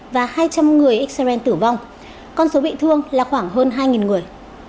và hai trăm linh người israel tử vong con số bị thương là khoảng hơn hai người